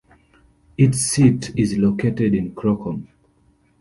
Its seat is located in Krokom.